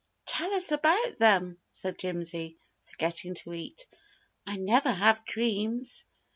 "Tell us about them," said Jimsy, forgetting to eat. "I never have dreams."